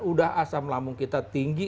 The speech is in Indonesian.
udah asam lambung kita tinggi